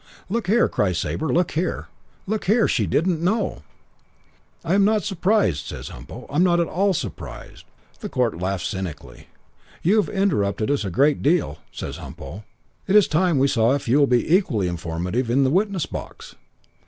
"'Look here ', cries Sabre. 'Look here look here, she didn't know!' "'I am not surprised,' says Humpo, 'I am not at all surprised.' Court laughs cynically. 'You have interrupted us a great deal,' says Humpo. 'It is time we saw if you will be equally informative in the witness box.'